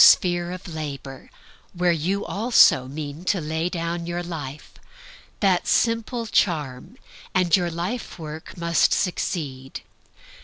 Take into your sphere of labor, where you also mean to lay down your life, that simple charm, and your lifework must succeed.